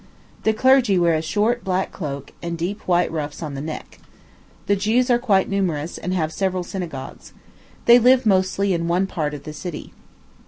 The clergy wear a short, black cloak, and deep white ruffs on the neck. The Jews are quite numerous, and have several synagogues. They live mostly in one part of the city.